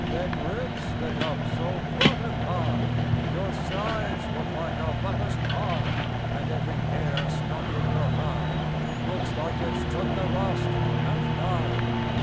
Them ribs stick up so drotted high Your sides look like a latticed pie, And every hair stuck in your hide Looks like it's took the rust and died!